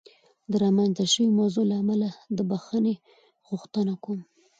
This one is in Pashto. د رامنځته شوې موضوع له امله د بخښنې غوښتنه کوم.